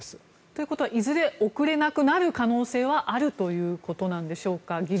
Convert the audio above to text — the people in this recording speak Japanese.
ということはいずれ送れなくなる可能性はあるということなんでしょうか？